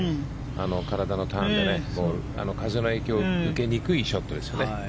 体のターンで風の影響を受けにくいショットですよね。